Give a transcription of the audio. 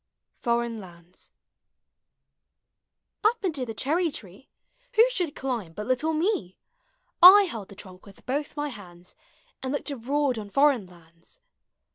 FOREIGN LANDS. Up into the clierrv tree Who should climb but little me? I held the trunk with both mv hands And looked abroad on foreign lauds.